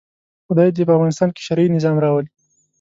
خدای دې په افغانستان کې شرعي نظام راولي.